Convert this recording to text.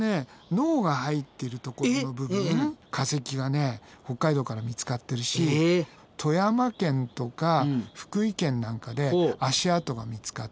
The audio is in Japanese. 脳が入ってるところの部分化石がね北海道から見つかってるし富山県とか福井県なんかで足跡が見つかってたり。